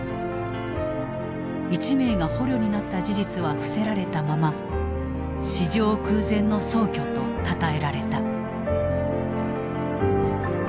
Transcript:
１名が捕虜になった事実は伏せられたまま史上空前の壮挙とたたえられた。